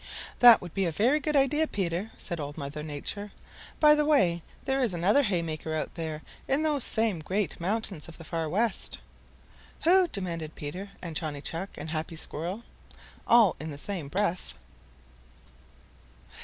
"That would be a very good idea, Peter," said Old Mother Nature. "By the way, there is another haymaker out in those same great mountains of the Far West." "Who?" demanded Peter and Johnny Chuck and Happy Jack Squirrel, all in the same breath.